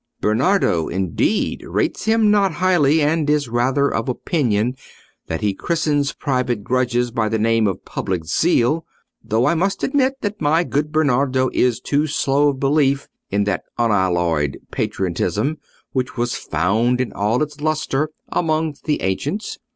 "Bernardo, indeed, rates him not highly, and is rather of opinion that he christens private grudges by the name of public zeal; though I must admit that my good Bernardo is too slow of belief in that unalloyed patriotism which was found in all its lustre amongst the ancients.